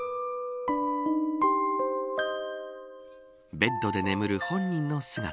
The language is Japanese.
ベッドで眠る本人の姿。